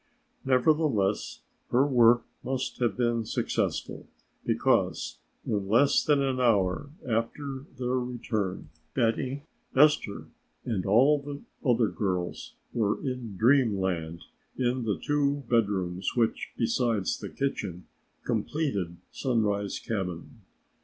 Nevertheless, her work must have been successful, because in less than an hour after their return Betty, Esther and all the other girls were in dreamland in the two bedrooms which, besides the kitchen, completed Sunrise cabin.